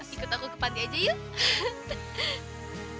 ikut aku ke panti aja yuk